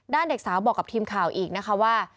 ด้านเด็กสาวบอกกับทีมข่าวอีกว่า